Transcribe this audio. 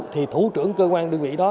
thì thủ trưởng cơ quan đơn vị đó